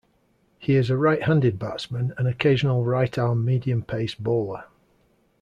He is a right-handed batsman and occasional right-arm medium-pace bowler.